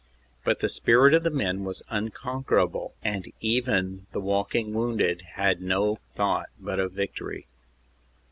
But the spirit of the men was unconquerable, and even the walking wounded had no thought but of victory.